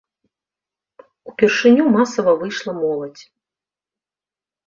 Упершыню масава выйшла моладзь.